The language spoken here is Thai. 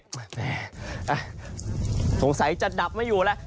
แม่สงสัยจะดับไม่อยู่แล้ว